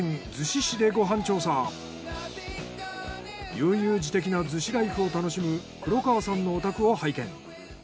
悠々自適な逗子ライフを楽しむ黒川さんのお宅を拝見。